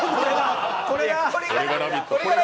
これが「ラヴィット！」だ。